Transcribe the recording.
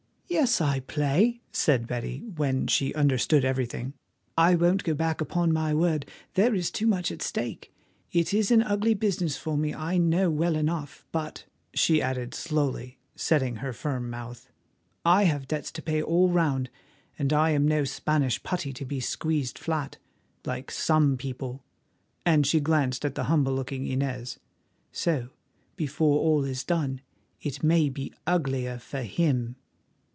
"Yes, I play," said Betty, when she understood everything. "I won't go back upon my word; there is too much at stake. It is an ugly business for me, I know well enough, but," she added slowly, setting her firm mouth, "I have debts to pay all round, and I am no Spanish putty to be squeezed flat—like some people," and she glanced at the humble looking Inez. "So, before all is done, it may be uglier for him."